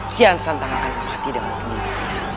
kian santana akan mati dengan sendiriku